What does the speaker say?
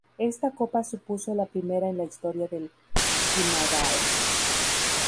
Esta Copa supuso la primera en la historia del Guimarães.